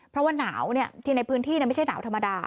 เพราะว่าหนาวที่ในพื้นที่ไม่ใช่หนาวธรรมดา